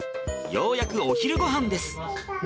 ようやくお昼ごはんです。